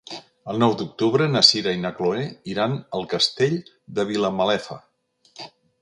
El nou d'octubre na Sira i na Chloé iran al Castell de Vilamalefa.